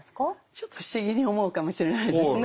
ちょっと不思議に思うかもしれないですね。